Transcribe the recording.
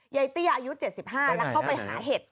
ยัยเตี้ยอายุ๗๕และเข้าไปหาเหด